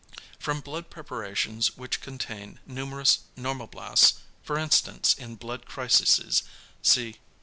From blood preparations which contain numerous normoblasts, for instance in "blood crises" (see p.